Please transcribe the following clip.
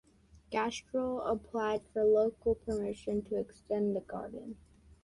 Gastrell applied for local permission to extend the garden.